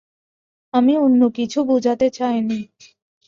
আমি অন্য কিছু বুঝাতে চাইনি।